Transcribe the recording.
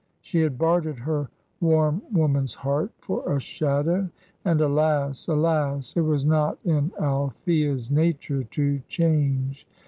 She had bartered her warm woman's heart for a shadow, and alas, alas! it was not in Althea's nature to change.